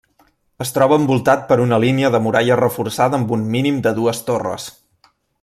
Es troba envoltat per una línia de muralla reforçada amb un mínim de dues torres.